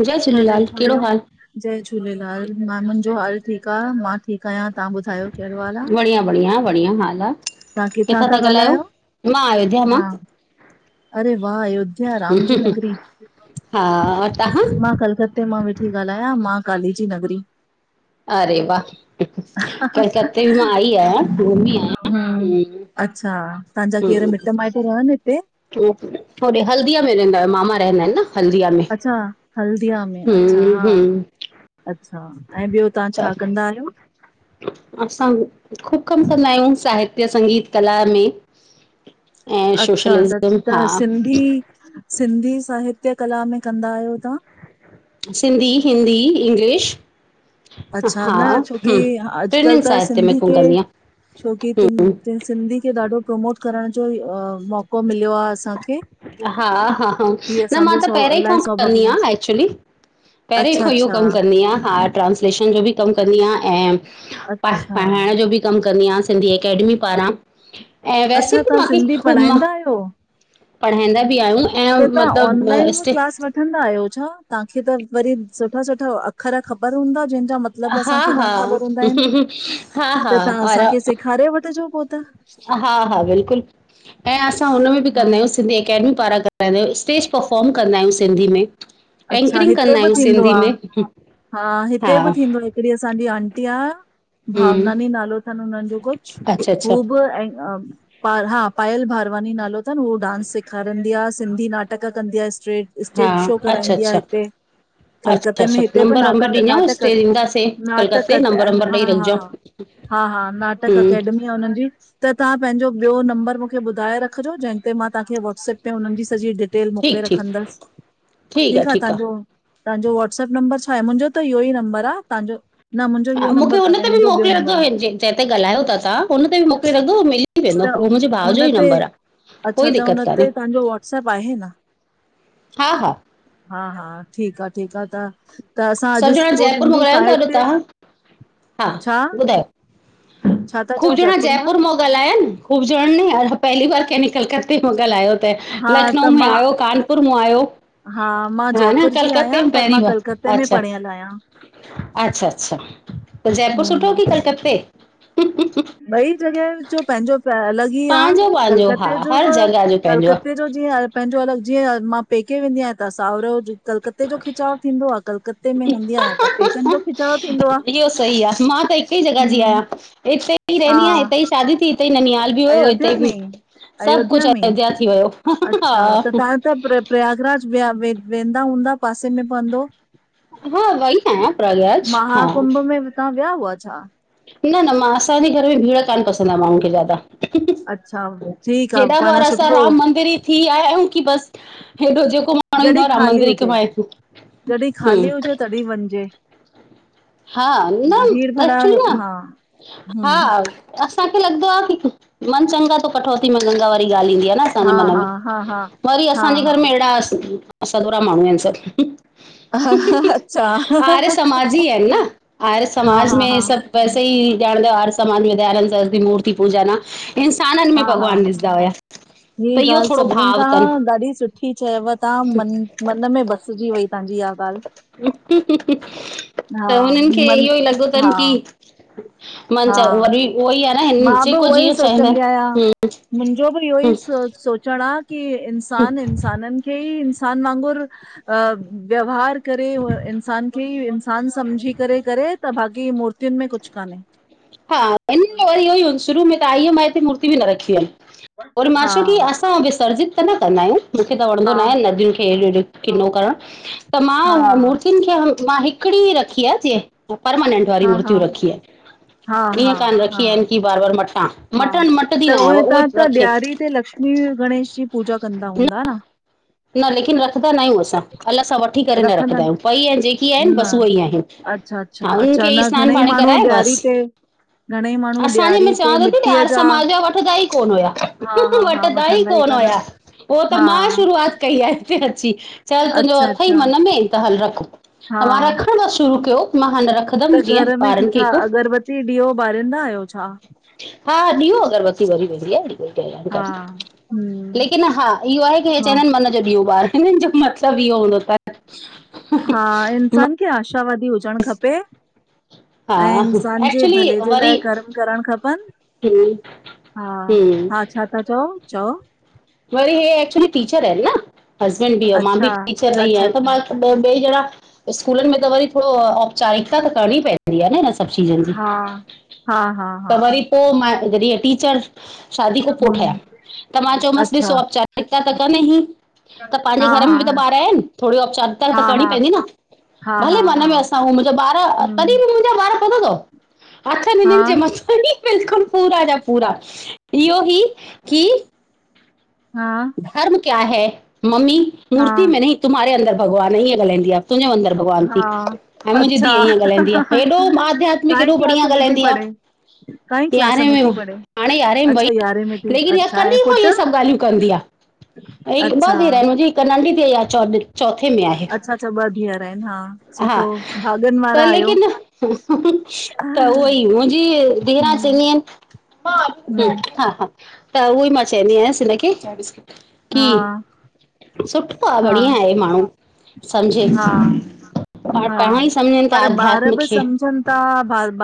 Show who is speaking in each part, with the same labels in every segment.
Speaker 1: जय
Speaker 2: खादई
Speaker 1: झूलेलाल कहिड़ो
Speaker 2: हरिओम
Speaker 1: हाल?
Speaker 2: जय झूलेलाल मां मुंहिंजो हाल ठीकु आ मां ठीकु आहियां तव्हां ॿुधायो कहिड़ो हालु आ?
Speaker 1: बंडींया, बडिंया, बडिंया हाल आ किथां था ॻाल्हायो? मां अयोध्या मां,
Speaker 2: अरे वाह अयोध्या राम जी नगरी,
Speaker 1: हा और तव्हां?
Speaker 2: मां कलक ते मां वेठी ॻाल्हायां मां काली जी नगरी।
Speaker 1: अरे वाह, कलकते मां आई आहियां घुमी आहियां।
Speaker 2: हूं
Speaker 1: हम्म
Speaker 2: अच्छा तव्हांजा केर मिट माइट रहनि हिते?
Speaker 1: हूं होॾे हल्दीअ में रहंदो आ मामा रहंदा आहिनि न हल्दीअ में।
Speaker 2: अच्छा हल्दीया में, अच्छा
Speaker 1: हम्म
Speaker 2: हा
Speaker 1: हम्म
Speaker 2: अच्छा ऐं ॿियो तहां
Speaker 1: त
Speaker 2: छा कंदा आहियो?
Speaker 1: असां ख़ूब कमु कंदा आहियूं साहित्य, संगीत कला में। ऐं
Speaker 2: अच्छा त
Speaker 1: सोशलिज़म,
Speaker 2: त
Speaker 1: हा
Speaker 2: सिंधी सिंधी साहित्य कला में कंदा आहियो तां?
Speaker 1: सिंधी, हिंदी, इंग्लिश।
Speaker 2: अच्छा
Speaker 1: हा
Speaker 2: न छोकि
Speaker 1: हम्म टिनिनि
Speaker 2: अॼुकल्ह त
Speaker 1: साहित्य में
Speaker 2: सिंधी
Speaker 1: कमु
Speaker 2: खे
Speaker 1: कंदी आहियां
Speaker 2: छोकित
Speaker 1: हम्म
Speaker 2: सिंधी खे ॾाढो प्रमोट करण जो ई मौक़ो मको मिलियो आ असांखे।
Speaker 1: हा हा हा,
Speaker 2: ही
Speaker 1: न मां
Speaker 2: असांजे
Speaker 1: त
Speaker 2: सौ
Speaker 1: पहिरयों ई खां
Speaker 2: इलाही
Speaker 1: कंदी
Speaker 2: सौभाग्य आहे।
Speaker 1: आहियां एक्चुली। पहिरें
Speaker 2: अच्छा
Speaker 1: खां इहो
Speaker 2: अच्छा
Speaker 1: कमु कंदी आहियां, हा। ट्रांस्लेशन जो बि कमु कंदी आहियां ऐं प
Speaker 2: अच्छा
Speaker 1: पढ़ाइण जो बि कमु कंदी आहियां, सिंधी अकेडमी पारां, ऐं वैसे
Speaker 2: अच्छा
Speaker 1: बि
Speaker 2: तव्हां
Speaker 1: मूंखे
Speaker 2: सिंधी
Speaker 1: मां
Speaker 2: पढ़ाईंदा आहियो
Speaker 1: पढ़ाईंदा बि आहियूं ऐं
Speaker 2: त तव्हां
Speaker 1: मतिलबु
Speaker 2: ऑनलाइन बि
Speaker 1: स्टे
Speaker 2: क्लास वठंदा आहियो छा, तव्हांखे त वरी सुठा- सुठा अख़र ख़बर हूंदा जंहिंजा मतिलबु
Speaker 1: हा
Speaker 2: असांखे
Speaker 1: हा
Speaker 2: कान ख़बर हूंदा आहिन
Speaker 1: हा हा और
Speaker 2: तांअसांखे सेखा खारे वठजो पो!
Speaker 1: हा हा बिल्कुलु ऐं असां हुन में बि
Speaker 2: हा
Speaker 1: कंदा आहियूं सिंधी अकेडमी पाराांय पंहिंज स्टेज परफॉर्म कंदा आहियूं सिंधी में।
Speaker 2: अच्छा
Speaker 1: एंकरिंग
Speaker 2: हिते
Speaker 1: कंदा
Speaker 2: बि
Speaker 1: आहियूं
Speaker 2: थींदो
Speaker 1: सिंधी
Speaker 2: आ,
Speaker 1: में
Speaker 2: हा हिते बि थींदो आहे। हिकड़ी असांजी आंटी आ
Speaker 1: हम्म
Speaker 2: भावनानि नालो अथनि हुननि जो कुछ,
Speaker 1: अच्छा अच्छा
Speaker 2: हू बि ऐं हा पायल भारवानी नालो अथनि, उहो डांस सेखारींदी आहे सिंधी नाटक कंदी आहे स्ट्रेज
Speaker 1: हा
Speaker 2: स्टेज शो
Speaker 1: अच्छा
Speaker 2: कराईंदी आ
Speaker 1: अच्छा
Speaker 2: हिते।
Speaker 1: अच्छा
Speaker 2: कलकते में
Speaker 1: अच्छा
Speaker 2: हिते बि
Speaker 1: नंबर
Speaker 2: नाक
Speaker 1: वंबर ॾिजो
Speaker 2: नाटक-!
Speaker 1: स्टे ईंदासीं
Speaker 2: नाटक
Speaker 1: कलकते नंबर वंबर
Speaker 2: हा
Speaker 1: ॾेई
Speaker 2: हा
Speaker 1: रखिजो
Speaker 2: हा हा हा नाटक
Speaker 1: हम्म
Speaker 2: अकेडमी आ हुनननि जी। त तां पंहिंजो ॿियो नंबर मूंखे ॿुधाए रखिजो जंहिं ते मां तांखे व्हटसप ते उ हुननि जी सॼि डिटेल टेल मोकिले
Speaker 1: ठीकु ठीकु
Speaker 2: रखंदसि। ठीकु आ तव्हांजो -तव्हांजो वाट्सअप नंबर छाहे, मुंहिंजो त इहो ई नंबर आहे, तव्हांजो न मुंहिंजो
Speaker 1: हा
Speaker 2: इहो
Speaker 1: मूंखे
Speaker 2: नंबर
Speaker 1: हुन
Speaker 2: कान्हे
Speaker 1: ते बि
Speaker 2: मुंहिंजो ॿियो
Speaker 1: मोकिले
Speaker 2: नंबर आ
Speaker 1: रखजो जैं ते ॻाल्हायो था तव्हां हुन ते बि मोकिले रखयो, मां वेंदो
Speaker 2: त
Speaker 1: उहो मुंहिंजे भाउ
Speaker 2: हुन
Speaker 1: जो ई
Speaker 2: ते
Speaker 1: नंबर आ।
Speaker 2: अच्छा त हुन ते तव्हांजो व्हाट्सअप आहे न।
Speaker 1: हा हा
Speaker 2: हा- हा ठीकु आह -ठीकु आह त असां अॼु
Speaker 1: सभु ॼणा
Speaker 2: पो
Speaker 1: जयपुर मो
Speaker 2: सिंधी
Speaker 1: ॻालायव था अॼु
Speaker 2: साहित्य
Speaker 1: तव्हां, हा
Speaker 2: छा
Speaker 1: ॿुधायो!
Speaker 2: छा था चओ
Speaker 1: ख़ूब ॼंणा
Speaker 2: मां
Speaker 1: जयपुर मो ॻाल्हया आहिन। ख़ूब जणन य पहली बार कहिं कलकते में ॻाल्हायो आ।
Speaker 2: हा
Speaker 1: लखनऊ
Speaker 2: त
Speaker 1: में
Speaker 2: मां
Speaker 1: आयो, कानपुर में आयो
Speaker 2: हा मां
Speaker 1: हा न
Speaker 2: जयपुर जी आहियां
Speaker 1: कलकत्ते मां
Speaker 2: पर
Speaker 1: पहिरीं बार
Speaker 2: कलकत्ते में
Speaker 1: अच्छा,
Speaker 2: पढ़ियल आहियां
Speaker 1: अच्छा- अच्छा, त जयपुर सुठो
Speaker 2: हम्म
Speaker 1: कि कलकते
Speaker 2: ॿई जॻह जो पंहिंजो अलॻि ई आ,
Speaker 1: पंहिंजो पंहिंजो हा
Speaker 2: कलकते जो
Speaker 1: हर
Speaker 2: बि,
Speaker 1: जॻह जो पंहिंजो आहे
Speaker 2: कलकते जीअं पंहिंजो अलॻि, जीअं मां पेके वेंदी आहियां त सावरो जो कलकते जो खिचाव थींदो आ, कलकते में हूंदी आहियां त पेकनि जो खिचाव थींदो आ।
Speaker 1: इहो सही आहे मां त हिक ई जॻह जी
Speaker 2: हम्म
Speaker 1: आहियां। हितेऔ [inaudible] ईते ई
Speaker 2: हा
Speaker 1: रहंदी आं, ईते ई शादी थी, ईते ई ननियाल बि हुयो, ईते
Speaker 2: अयोध्या
Speaker 1: ई
Speaker 2: में
Speaker 1: सभु कुछ अयोध्या थी वियो।
Speaker 2: अच्छा
Speaker 1: हा।
Speaker 2: त तव्हां त प प्रयागरज वया वेंदा हूंदा, पासे में पवंदो?
Speaker 1: हा, वई त आयां, प्रगराज हा।
Speaker 2: तां विया हुआ छा?
Speaker 1: न -न, मां असांजे घर में भीड़ कान्ह पसंद आ माण्हुन खे ज्यादा।
Speaker 2: अच्छा ठीकु आ
Speaker 1: हेॾा
Speaker 2: पाण
Speaker 1: बार असां
Speaker 2: सुठो
Speaker 1: राम मंदिर ई थी आया आहियूं की बसि, हेॾो जेको मां पाण ईं मां राम मंदिर ई कमाए सूं,
Speaker 2: जॾीं ख़ाली हुजे तॾीं वञ जे।
Speaker 1: हा, न एक्चुली न
Speaker 2: हा
Speaker 1: हा।
Speaker 2: हम्म
Speaker 1: असांखे लॻदो आ, की मन चंगा तो कटौती में गंगा वारी ॻाल्हि ईंदी आ न।
Speaker 2: हा
Speaker 1: असांजे मन
Speaker 2: हा
Speaker 1: में,
Speaker 2: हा हा
Speaker 1: वरी
Speaker 2: हा
Speaker 1: असांजे
Speaker 2: हा
Speaker 1: घर में एड़ा सदोरा माण्हू आहिन सभु।
Speaker 2: ह -हं अच्छा, हंं- हं-
Speaker 1: आर्य
Speaker 2: हं- हं
Speaker 1: समाजी
Speaker 2: -हं
Speaker 1: आहिनि न आर्य समाज में सभु वैसे ई ॼाणंदायो, आर्य समाज में दयानंद साहिब जी मूर्ती पूजा न इंसाननि में भॻवान ॾिसदा हुया। त
Speaker 2: हीअ
Speaker 1: इहो
Speaker 2: ॻाल्हि
Speaker 1: थोरो
Speaker 2: सभिनीन
Speaker 1: भाव
Speaker 2: खां
Speaker 1: अथनि
Speaker 2: ॾाढी सुठी चयव तां मन मन में बसिजी वई तव्हांजी इहा ॻाल्हि।
Speaker 1: हुं -हुं -हुं -हुं,
Speaker 2: हा
Speaker 1: त हुननि खे
Speaker 2: मन
Speaker 1: इहोई लॻो तन
Speaker 2: हा
Speaker 1: की मन
Speaker 2: हा
Speaker 1: च वॾी उओ ई आ।
Speaker 2: मां बि उहो ई सोचंदी आहियां।
Speaker 1: हम्म
Speaker 2: मुंजो बि इहो ई
Speaker 1: हम्म
Speaker 2: सोचण आ की इंसान इंसानन खे ई इंसान वांगुर अ व्यवहार करे इंसान खे ई इंसान समझी करे करे त बाक़ी मूर्तियुन में कुछ कान्हे।
Speaker 1: हा वञ त इहो ई शुरू में त आई हुम मां हिते मूर्ती बि न रखी हुम। और मां छो की
Speaker 2: हा
Speaker 1: असां विसर्जित त न कंदा आहियूं मूखे त वणंदो
Speaker 2: हा
Speaker 1: नाहे, नदियुनि खे किनो करणु त
Speaker 2: हा
Speaker 1: मां मूर्तियुनि खे मां हिकिड़ी रखी आ, जे उ परमानेंट
Speaker 2: हा
Speaker 1: वारी
Speaker 2: हा
Speaker 1: मुर्तियूं रखी आहिन।
Speaker 2: हा -हा -हा
Speaker 1: बार बार मटां
Speaker 2: -हा,
Speaker 1: मटण मटंदी
Speaker 2: त
Speaker 1: न आहियां
Speaker 2: उहे तां त
Speaker 1: रखे
Speaker 2: ॾियारी ते लक्ष्मी, गणेश जी पूजा कंदा हूंदा न?
Speaker 1: न लेकिन रखदा नायूं असां, अलग हां वठ वठी करे न रखदा आहियूं, पई आहिन जेकी आहिनि
Speaker 2: न,
Speaker 1: बसि उहे ई आहिनि,
Speaker 2: अच्छा अच्छा
Speaker 1: हा उन्हनि
Speaker 2: अच्छा
Speaker 1: खे ई
Speaker 2: न
Speaker 1: स्नानु
Speaker 2: घणेई
Speaker 1: पाणी
Speaker 2: माण्हू
Speaker 1: कराए
Speaker 2: ॾियारी
Speaker 1: बसि।
Speaker 2: ते घणेई माण्हू
Speaker 1: असांजे में
Speaker 2: ॾियारी ते
Speaker 1: चवां त ती हिते
Speaker 2: मिटीअ
Speaker 1: आर्य
Speaker 2: जा
Speaker 1: समाज ज़ा वठदा ई कोन हुया।
Speaker 2: हा हा हा
Speaker 1: वठदा ई
Speaker 2: वठंदा
Speaker 1: कोन
Speaker 2: कान
Speaker 1: हुया,
Speaker 2: आहिन
Speaker 1: हो त
Speaker 2: हा
Speaker 1: मां शुरूआति कई आ हिते अची, चल तुंहिंजो
Speaker 2: अच्छा
Speaker 1: अथई
Speaker 2: अच्छा
Speaker 1: मन में त हल रखो।
Speaker 2: हा
Speaker 1: त मां रखण न शुरू कयो मां हाणे‌ न रखंदमि जीअं ॿारनि खे कु
Speaker 2: दी ॾियो ॿारींदा आहियो छा?
Speaker 1: हा ॾीहो अगरबती ॿरी वेंदी आहे।
Speaker 2: हा हम्म
Speaker 1: लेकिन हा इहो आहे की हे
Speaker 2: हा
Speaker 1: चवंदा आहिनि कि मन जो ॾियो ॿार। हिननि जो मतलब ईयो हूंदो तन,
Speaker 2: हा, इंसान खे आशावादी हुज जण खपे,
Speaker 1: हा
Speaker 2: ऐं इंसान जे
Speaker 1: एक्चुली
Speaker 2: भले जे
Speaker 1: वरी
Speaker 2: लाइ कर्म करणु खपनि।
Speaker 1: हम्म
Speaker 2: हा,
Speaker 1: हम्म
Speaker 2: हा छा ता चओ चओ?
Speaker 1: वरी हे एक्चुली टीचर आहिनि, न हसबैंड बि अऊं मां बि
Speaker 2: अच्छा
Speaker 1: टीचर रही
Speaker 2: अच्छा
Speaker 1: आहियां, त
Speaker 2: अच्छा
Speaker 1: मां ॿ ॿई ॼणा स्कूलनि में त वरी थोड़ो ओपचारिकता त करणी पवंदी आ न हिन सां
Speaker 2: हा हा हा
Speaker 1: [unintelligible]
Speaker 2: हा
Speaker 1: त वरी पो मां जॾहिं टीचर शादी खों पोइ ठया,
Speaker 2: हम्म
Speaker 1: त मां चयोमांस
Speaker 2: अच्छा
Speaker 1: ॾिसो ओपचारिकता त करने ही त पाहिंजे
Speaker 2: हा
Speaker 1: घर में बि त
Speaker 2: हा
Speaker 1: ॿार आहिन, थोड़ी ओपचारिकता
Speaker 2: हा
Speaker 1: त करिणी
Speaker 2: हा
Speaker 1: पइंदी न।
Speaker 2: हा
Speaker 1: भले
Speaker 2: हा हा
Speaker 1: मन में असां हूं मत्लभु ॿार तॾहिं
Speaker 2: हम्म
Speaker 1: बि ॿार पतो थव
Speaker 2: हा
Speaker 1: [unintelligible] पूरा, इहो ही की
Speaker 2: हां
Speaker 1: धर्म क्या है, मम्मी
Speaker 2: हा
Speaker 1: मूर्ति में नहीं तुम्हारे अंदर भॻवान, ईंह ॻाल्हिंदी आ, तुंहिंजे अंदर भॻवान थी,
Speaker 2: हा
Speaker 1: मुंहिंजी
Speaker 2: अच्छा
Speaker 1: धीउ ईीअं ॻाल्हाईंदी आ, हेॾो आध्यात्मिक,
Speaker 2: काईं
Speaker 1: हेॾो
Speaker 2: क्लास
Speaker 1: बढ़िया
Speaker 2: में थी
Speaker 1: ॻाल्हाईंदी आ।
Speaker 2: पढ़े काईं क्लास
Speaker 1: यारहें में,
Speaker 2: थी पढ़े
Speaker 1: हाणे यारहें में वई,
Speaker 2: अच्छा यारहें में थी
Speaker 1: लेकिन इहा
Speaker 2: अच्छा ऐं
Speaker 1: कॾहिं को
Speaker 2: पुटु
Speaker 1: इहे सभु ॻाल्हियूं कंदी आ। हिकु ॿ
Speaker 2: अच्छा
Speaker 1: धीएर आहिन, मुंहिंजी हिकु नंढी धीअर आ, चो चोथे में आहे।
Speaker 2: अच्छा, अच्छा ॿ धीअर आहिनि हा
Speaker 1: हा
Speaker 2: सुठो भा
Speaker 1: त लेकिन, त उह ई मुंहिंजी धीएरा
Speaker 2: हम्म
Speaker 1: चयंदी आन हु,
Speaker 2: हम्म,
Speaker 1: हा हा। त उहो ई मां चवंदी आयसि हिनखे की
Speaker 2: हा,
Speaker 1: सु हा बढ़िया आहे माण्हू सम्झे
Speaker 2: हा,
Speaker 1: पाण पाण
Speaker 2: हा,
Speaker 1: ई सम्झनि था
Speaker 2: पर ॿार
Speaker 1: अध्यात्म
Speaker 2: ब
Speaker 1: खे
Speaker 2: सम्झनि था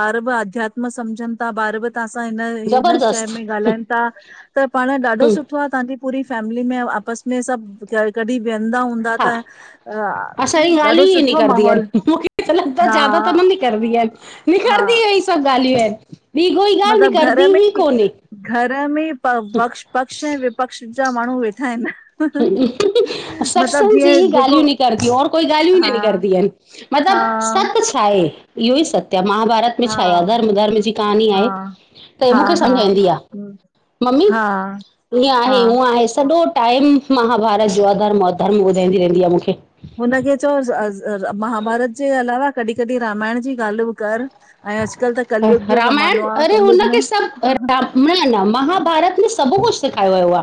Speaker 2: ॿार ब अध्यात्म सम्झनि था ॿार ब त असां हिन, हिन शइ
Speaker 1: ज़बरदस्त
Speaker 2: में ॻाल्हाइनि था त पाण ॾाढो
Speaker 1: हूं
Speaker 2: सुठो आ थाखे। पूरी फैमिली में आपस में सभु कॾहिं वेहंदा हूंदा त अ,
Speaker 1: असांजी ॻाल्हि
Speaker 2: ॾाढो
Speaker 1: ई
Speaker 2: सुठो
Speaker 1: निकरंदी आहिन,
Speaker 2: माहौल
Speaker 1: मूंखे
Speaker 2: हा
Speaker 1: जयदा त न नि रदी आहिन,
Speaker 2: हा
Speaker 1: निकरदी एही सभु ॻाल्हियूं आहिन, बी कोई ॻाल्हि
Speaker 2: मतिलब घर
Speaker 1: निकरंदी
Speaker 2: में
Speaker 1: ई कोन्हे।
Speaker 2: घर में प वक्ष पक्ष ऐं विपक्ष जा माण्हू वेठा आहिन न।
Speaker 1: सत्संग जी ई ॻाल्हियूं
Speaker 2: जेको
Speaker 1: निकरदियू और कोई ॻाल्हियू ई न
Speaker 2: हा
Speaker 1: निकरदियू आहिन।
Speaker 2: हा,
Speaker 1: मतिलब सत् छा आहे, इहो ई सत्य आ महाभारत। में
Speaker 2: हा,
Speaker 1: छा आहे, धर्म धर्म जी कहानी आहे,
Speaker 2: हा,
Speaker 1: त
Speaker 2: हा,
Speaker 1: मूंखे
Speaker 2: हा,
Speaker 1: समझ ईंदी आ।
Speaker 2: हम्म,
Speaker 1: मम्मी,
Speaker 2: हा,
Speaker 1: ईअं
Speaker 2: हा,
Speaker 1: आहे, हूअं आहे, सॼो टाइम महाभारत जो आ, धर्म, अधर्म ॿुधाईंदी रहंदी आ मूंखे।
Speaker 2: हुनखे चओस महाभारत जे अलावा कॾहिं कॾहिं रामायण जी ॻाल्हि बि कर। ऐं अॼुकल्ह त कलयुग जो
Speaker 1: रामायण
Speaker 2: ज़मानो आ,
Speaker 1: अरे
Speaker 2: कलयुग में
Speaker 1: हुनखे सभु [unintelligible] न महाभारत में सभु कुझ सेखयो वयो आ,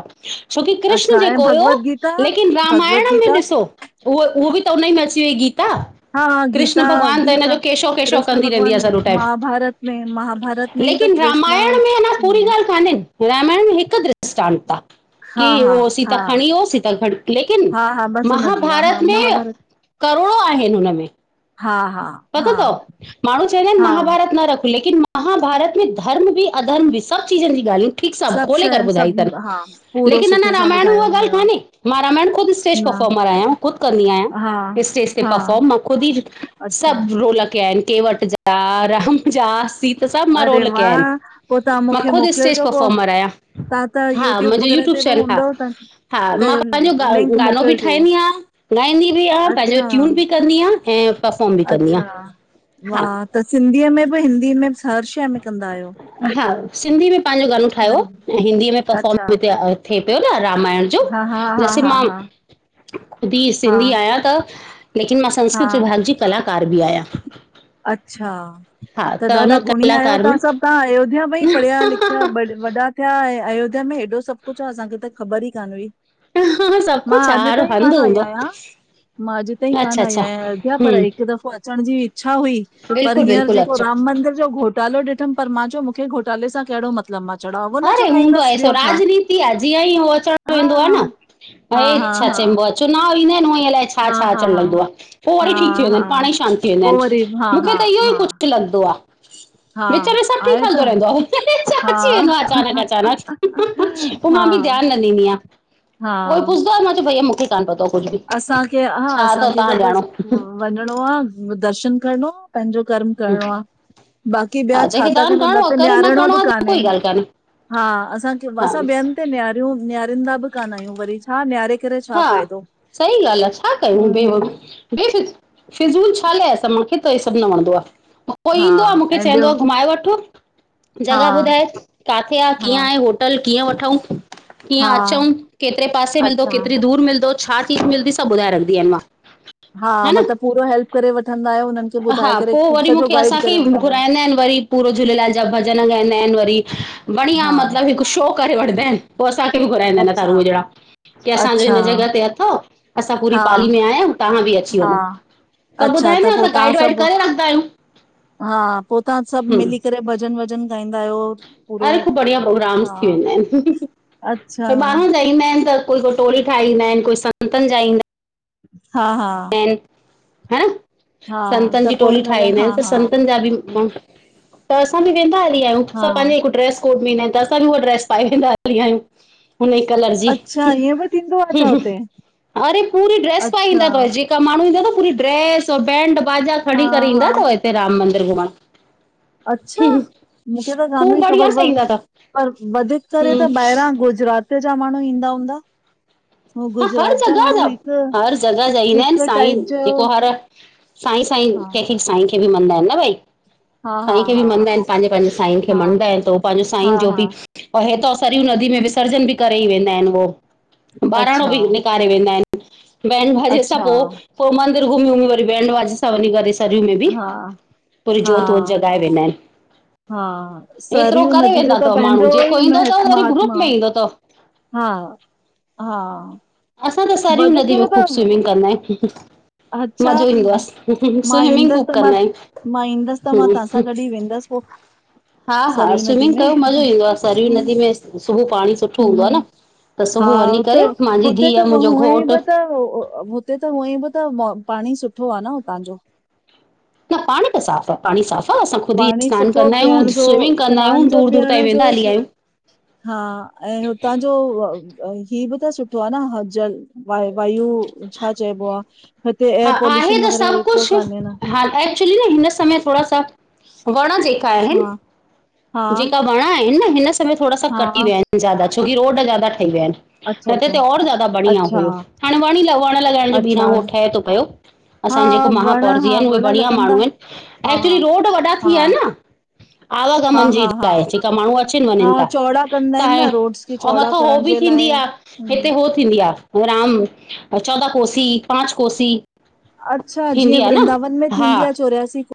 Speaker 1: छोकी कृष्ण
Speaker 2: अच्छा ऐं
Speaker 1: जेको हुयो
Speaker 2: भगवत गीता
Speaker 1: लेकिन
Speaker 2: भगवत
Speaker 1: रामायण में
Speaker 2: गीता
Speaker 1: ॾिसो उहो उहो बि त उन ई में अची वई गीता।
Speaker 2: हा हा
Speaker 1: कृष्ण
Speaker 2: गीता
Speaker 1: भॻवानु त हिन
Speaker 2: गीता
Speaker 1: जो केशो, केशो
Speaker 2: कृष्ण
Speaker 1: कंदी रहंदी आ,
Speaker 2: भॻवान
Speaker 1: सॼो टाइम
Speaker 2: महाभारत में महाभारत में ई त कृष्ना ह
Speaker 1: काने, रामायण में हिकु द्रृषटान्त आ।
Speaker 2: हा
Speaker 1: की
Speaker 2: हा
Speaker 1: उह सीता
Speaker 2: हा
Speaker 1: खणी हो सीता खणी लेकिन
Speaker 2: हा हा बसि हुनजी हा हा
Speaker 1: महाभारत में
Speaker 2: महाभारत
Speaker 1: करोड़ो आहिन हुन में।
Speaker 2: हा, हा।
Speaker 1: पतो
Speaker 2: हा
Speaker 1: थव माण्हू चवंदा आहिनि
Speaker 2: हा
Speaker 1: महाभारत न रखो लेकिन म महाभारत में धर्म बि अधर्म बि सभु चीज़नि जी ॻाल्हियूं ठीकु सभु खोले करे
Speaker 2: शइ
Speaker 1: ॿुधाई थनि,
Speaker 2: सभु हा पूरो
Speaker 1: लेकिन अञा
Speaker 2: सुठे सां
Speaker 1: रामायण
Speaker 2: ॿुधायो
Speaker 1: उहा ॻाल्हि
Speaker 2: वियो आ
Speaker 1: कान्हे मां रामायण खु़द स्टेज
Speaker 2: न
Speaker 1: परफॉर्मर आहियां ख़ुदि कंद
Speaker 2: हा
Speaker 1: आहियां स्टेज ते
Speaker 2: हा
Speaker 1: परफॉर्म, मां ख़ुदि ई
Speaker 2: अच्छा
Speaker 1: सभु रोल कया आहिनि केहिं वटि ज राम जा सीत सभ मां
Speaker 2: अरे
Speaker 1: रोल कया आहिन,
Speaker 2: वाह पो तव्हां
Speaker 1: मां
Speaker 2: मूंखे
Speaker 1: ख़ुदि स्टेज
Speaker 2: मोकिलिजो पो
Speaker 1: पफॉमर आहियां।
Speaker 2: तव्हां त
Speaker 1: हा मांजो
Speaker 2: वग़ैरह
Speaker 1: यूट्यूब
Speaker 2: ते बि
Speaker 1: चैनल आ।
Speaker 2: हूंदव त
Speaker 1: हा
Speaker 2: त
Speaker 1: मां पंहिंजो गा
Speaker 2: लिंक
Speaker 1: गानो बि
Speaker 2: मोकिलिजो
Speaker 1: ठाहंदी आं, गाईंदी बि आहियां, पंहिंजो
Speaker 2: अच्छा
Speaker 1: ट्यून बि कंदी आ, ऐं परफॉम बि कंदी आ,
Speaker 2: अच्छा
Speaker 1: हाश
Speaker 2: वाह त सिंधीअ में बि हिंदी में हर शइ में कंदा आहियो
Speaker 1: हा सिंधी में पंहिंजो गानो ठाहियो,
Speaker 2: हर
Speaker 1: ऐं हिंदीअ में पफोर्म
Speaker 2: अच्छा
Speaker 1: हिते थिए पियो न रामायण
Speaker 2: हा हा हा
Speaker 1: जसे
Speaker 2: हा
Speaker 1: मां
Speaker 2: हा
Speaker 1: बी
Speaker 2: हा
Speaker 1: सिंधी आहियां त लेकिन मां
Speaker 2: हा
Speaker 1: संस्कृत विभाग जी कलाकार बि आहियां।
Speaker 2: अच्छा,
Speaker 1: हा
Speaker 2: त
Speaker 1: हुन
Speaker 2: ॾाढा गुणी आहियो,
Speaker 1: कलाकार
Speaker 2: तव्हां
Speaker 1: में
Speaker 2: सभु तव्हां अयोध्या में ई पढ़िया लिखिया बया वॾा थिया ऐं अयोध्या में हेॾो सभु कुझु आ, असांखे त ख़बर ई कान हुई।
Speaker 1: ह सभु
Speaker 2: मां
Speaker 1: कुझु आ,
Speaker 2: अॼु
Speaker 1: हर
Speaker 2: ताईं
Speaker 1: हंध
Speaker 2: कान आई
Speaker 1: हूंदो
Speaker 2: आहियां
Speaker 1: आ।
Speaker 2: मां अॼु ताई कान आई आहियां अयोध्या, पर
Speaker 1: हम्म
Speaker 2: हिकु दफ़ो अ अचण जी इच्छा हुई पर
Speaker 1: बिल्कुलु
Speaker 2: हींअर
Speaker 1: बिल्कुलु
Speaker 2: जेको
Speaker 1: अचो
Speaker 2: राम मंदिर घोटालो ॾिठमि, पर मां चयो मूंखे घोटाले सां कहिड़ो म
Speaker 1: अड़े हूंदो आहे सो राजनीति आहे जीअं ई हो अचणु
Speaker 2: हा
Speaker 1: वेंदो आहे न
Speaker 2: हा
Speaker 1: हे
Speaker 2: हा
Speaker 1: छा
Speaker 2: हा
Speaker 1: चएंबो आ? चुनाव ईंदा आहिनि उअ अल लाइ छा
Speaker 2: हा
Speaker 1: छा
Speaker 2: हा
Speaker 1: अचणु लॻंदो, आहे पोइ
Speaker 2: हा
Speaker 1: वरी
Speaker 2: हा
Speaker 1: ठीकु थी वेंदा आहिनि पाण
Speaker 2: हा
Speaker 1: ई शांत थी वेंदा
Speaker 2: पोइ वरी हा
Speaker 1: आहिनि। मूंखे
Speaker 2: हा
Speaker 1: त इहो ई
Speaker 2: हा
Speaker 1: कुझ लॻंदो आ
Speaker 2: हा
Speaker 1: विच में सभ ठीक
Speaker 2: आहे
Speaker 1: हलंदो
Speaker 2: त
Speaker 1: रहंदो आ।
Speaker 2: हा - -
Speaker 1: अचानक अचानक, पोइ मां बि
Speaker 2: हा
Speaker 1: ध्यान न ॾींदी आ, कोई
Speaker 2: हा
Speaker 1: पुछंदो आ मां चांदी आ भैया मूंखे - - कान पतो कुझु बि
Speaker 2: असांखे हा
Speaker 1: छा अथव
Speaker 2: असांखे त
Speaker 1: तव्हां
Speaker 2: बस
Speaker 1: ॼाणो
Speaker 2: वञ - - नरो आ, दर्शन करणो आ, पंहिंजो कर्म करणो आ। बाक़ी ॿिया
Speaker 1: हा
Speaker 2: छा
Speaker 1: जंहिंखे
Speaker 2: था
Speaker 1: दान
Speaker 2: कन हुन
Speaker 1: करिणो आहे
Speaker 2: ते
Speaker 1: करे न
Speaker 2: निहारणो
Speaker 1: करिणो
Speaker 2: बि
Speaker 1: आहे त
Speaker 2: कान्हे।
Speaker 1: कोई ॻाल्हि कान्हे
Speaker 2: हा असांखे
Speaker 1: हा
Speaker 2: असां ॿियन ते निहार - - नियारंदा बि कान आहियूं, वरी छा नियारे करे छा
Speaker 1: हा
Speaker 2: फ़ाइदो - -
Speaker 1: सही ॻाल्हि आ छा कयूं बे बेफ़ - - फिज़ूल छा लाए मूखे त इ सभु न वणंदो आ को
Speaker 2: हा
Speaker 1: ईंदो आहे मूंखे
Speaker 2: ऐं
Speaker 1: चवंदो
Speaker 2: ॿियो
Speaker 1: आहे घुमाए वठो - -
Speaker 2: हा
Speaker 1: जॻह ॿुधाए काथे आहे, कीअं
Speaker 2: हा
Speaker 1: आहे, होटल कीअं वठऊ? कीअं
Speaker 2: हा
Speaker 1: अचूक, केतरे पासे मिलंदो,
Speaker 2: अच्छा
Speaker 1: केतिरी दूरि मिलंदो, छा चीज़ मिलंदी सभु ॿुधाए रखंदीयां मां। हा न,
Speaker 2: मतिलबु पूरो हेल्प करे वठंदा आहियो हुननि खे ॿुधाए
Speaker 1: हा
Speaker 2: करे
Speaker 1: पोइ वरी
Speaker 2: सॼो
Speaker 1: मूंखे
Speaker 2: गाइड
Speaker 1: असांखे
Speaker 2: करे
Speaker 1: ई
Speaker 2: वठंदा आहियो
Speaker 1: घुराईंदा आहिन वरी। पूरो झूलेलाल जा भॼन ॻाईंदा आहिन वरी। बढ़िया
Speaker 2: हा
Speaker 1: मतलबु हिकु शो करे वठंदा आहिन पोइ असांखे बि घुराईंदा आहिन अथां
Speaker 2: अच्छा
Speaker 1: रूहे जहिड़ा - - की असांजो
Speaker 2: अच्छा
Speaker 1: हिन जॻह ते अथव, असां पूरी
Speaker 2: हा
Speaker 1: पाली में आया आहियूं, तव्हां बि अची
Speaker 2: हा
Speaker 1: वञो। त
Speaker 2: अच्छा
Speaker 1: ॿुधाए न
Speaker 2: पोइ
Speaker 1: असां
Speaker 2: तव्हां
Speaker 1: गाइड वाइड
Speaker 2: सभु
Speaker 1: करे रखंदा आहियूं।
Speaker 2: हा पोइ तव्हां सभु
Speaker 1: हम्म
Speaker 2: मिली करे भॼन वॼन गाईंदा आहियो पूरो हा। अच्छा
Speaker 1: ॿार जा ईंदा आहिन त कोई वटोरी ठाहींदा आहिन कोई संतनि जा ईंदा आहिन।
Speaker 2: हा हा - -
Speaker 1: ह न संतन
Speaker 2: त
Speaker 1: जी
Speaker 2: पो
Speaker 1: टोली
Speaker 2: हिन लाइ
Speaker 1: ठाहेी ईंदा
Speaker 2: हा
Speaker 1: आहिन त
Speaker 2: हा
Speaker 1: संतन जा बि माण्ह - - त असां बि वेंदा हली आहियूं
Speaker 2: हा
Speaker 1: असां पंहिंजे हिकु ड्रेस कोट में ईदा आहिन त असां बि उहा ड्रेस पाए वेंदा हली आहियूं। हुन ई कलर जी
Speaker 2: अच्छा ईअं बि थींदो आ छा हुते
Speaker 1: अरे पूरी ड्रेस पाईं
Speaker 2: अच्छा
Speaker 1: ईंदा अथव - - जेका माण्हू ईंदा तव, पूरी ड्रेस, बैंड बाजा
Speaker 2: हा
Speaker 1: खणी करे ईंदा
Speaker 2: हा
Speaker 1: अथव हिते राम मंदर घुमण।
Speaker 2: अच्छा मूंखे त कान
Speaker 1: खूब
Speaker 2: हुई
Speaker 1: बढ़िया
Speaker 2: ख़बर
Speaker 1: सां
Speaker 2: पर।
Speaker 1: ईंदा अथव
Speaker 2: पर वधीक करे
Speaker 1: हम्म
Speaker 2: त ॿाहिरां गुजरात जा माण्हू ईंदा हूंदा। हू
Speaker 1: हा हर
Speaker 2: गुजरात
Speaker 1: जॻह
Speaker 2: माण्हू
Speaker 1: जा,
Speaker 2: हिक
Speaker 1: हर जॻह जा ईंदा आहिन
Speaker 2: हिक टाइप
Speaker 1: साईं
Speaker 2: जो
Speaker 1: जेको हर - - साईं सांई
Speaker 2: हा
Speaker 1: कंहिंखे साईं खे बि मञंदा आहिन न भई।
Speaker 2: हा हा
Speaker 1: साईं खे
Speaker 2: हा
Speaker 1: बि मञदा आहिन,
Speaker 2: हा
Speaker 1: पंहिंजे- पंहिंजे साईं खे
Speaker 2: हा
Speaker 1: मञदा आहिन त उ पंहिंजो
Speaker 2: हा
Speaker 1: साईं जो
Speaker 2: हा
Speaker 1: बि - - ऐं हितां सरयूं नदी में विसर्जन बि करे ई वेंदा आहिन उहो। बहिराणो
Speaker 2: अच्छा
Speaker 1: बि निकारे वेंदा आहिन बैड बाजे सां
Speaker 2: अच्छा
Speaker 1: पो। पो मंदिर घुमी घुमी वरी बैड वाजे सां वंञी करे - - सरयूं में बि
Speaker 2: हा
Speaker 1: पूरी जोत वोत
Speaker 2: हा
Speaker 1: जॻाए वेंदा आहिन।
Speaker 2: हा सरयू नदी जो त
Speaker 1: माण्हू
Speaker 2: पंहिंजो
Speaker 1: जेको
Speaker 2: ई म
Speaker 1: ईंदो अथव वरी ग्रुप
Speaker 2: महात्म आ।
Speaker 1: में ईंदो अथव
Speaker 2: हा हा
Speaker 1: असां त सरियूं
Speaker 2: वध
Speaker 1: नदी में
Speaker 2: करे त
Speaker 1: ख़ूब स्विमिंग कंदा आहियूं।
Speaker 2: अच्छा
Speaker 1: मज़ो ईंदो आहे
Speaker 2: मां
Speaker 1: स्विमिंग खूब
Speaker 2: ईंदस त मां
Speaker 1: कंदा
Speaker 2: मां ईंदस त मां
Speaker 1: आहियूं
Speaker 2: तव्हांसां गॾु ई वेंदस। उफ - -
Speaker 1: हा हा स्विमिंग कयो मज़ो ईंदोव, आ सरयू नदी में सुबुह पाणी सुठो हूंदो आ
Speaker 2: हम्म,
Speaker 1: न। त
Speaker 2: हा
Speaker 1: सुबह वञी
Speaker 2: हुते
Speaker 1: करे मांजी धी
Speaker 2: हुते
Speaker 1: - -
Speaker 2: हुअं बि त हुते त हुअं बि त पाणी सुठो आ न हुतां जो।
Speaker 1: न पाणी त साफ़ आ। पाणी साफ आ असां खुद ई
Speaker 2: पाणी
Speaker 1: सनान
Speaker 2: सुठो
Speaker 1: कंदा आहियूं,
Speaker 2: पीअण जो
Speaker 1: स्विमिंग कंदा आहियूं,
Speaker 2: सनान जो
Speaker 1: दूर दूर ताईं
Speaker 2: पीअण
Speaker 1: वेदा हली आ
Speaker 2: जो
Speaker 1: आहियूं।
Speaker 2: हा ऐं हुतां - - ही बि त सुठो आ न जलवायु छा चइबो आ - -
Speaker 1: हा आहे त सभु कुझु
Speaker 2: न
Speaker 1: ह - - च हिन समय थोङा सा वण जेका आहेन
Speaker 2: हा - -
Speaker 1: जेका वण आहिनि न हिन थोङा सा कटी
Speaker 2: हा
Speaker 1: विया आहिन ज्यादा, छोकि रोड ज्यादा ठही विया आहिन,
Speaker 2: अच्छा
Speaker 1: न त
Speaker 2: अच्छा
Speaker 1: त और ज्यादा बढ़िया
Speaker 2: अच्छा
Speaker 1: हुयो। हाणे वण ई वण लॻाइण जो
Speaker 2: अच्छा
Speaker 1: बीहनां उहो ठहे थो पियो।
Speaker 2: हा
Speaker 1: असांजे जेको
Speaker 2: वण
Speaker 1: महापौर जी
Speaker 2: हा
Speaker 1: आहिन उहे
Speaker 2: वण
Speaker 1: बढ़िया
Speaker 2: लॻंदा
Speaker 1: माण्हू आहिन,
Speaker 2: हा हा
Speaker 1: एक्चुली रोड वॾा थी
Speaker 2: हा
Speaker 1: विया आहिन न। अल [unintelligible]
Speaker 2: हा
Speaker 1: गमन जी
Speaker 2: हा हा
Speaker 1: लाइ जेका माण्हू अचन- वञन
Speaker 2: हा
Speaker 1: था,
Speaker 2: चौड़ा कंदा आहिनि न रोड्स खे
Speaker 1: क
Speaker 2: चौड़ा
Speaker 1: मथां हो
Speaker 2: करण
Speaker 1: बि
Speaker 2: जे
Speaker 1: थींदी
Speaker 2: लाइ
Speaker 1: आ हिते
Speaker 2: हम्म
Speaker 1: हो, हो ॿि थींदी आ राम चोॾहं कोसी, पांच कोसी।
Speaker 2: अच्छा जीअं
Speaker 1: थींदी आ न
Speaker 2: वृनंदावन में थींदी
Speaker 1: हा
Speaker 2: आ चोरयासी को